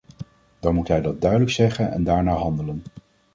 Dan moet hij dat duidelijk zeggen en daar naar handelen!